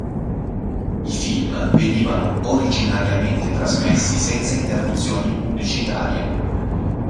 I film venivano originariamente trasmessi senza interruzioni pubblicitarie.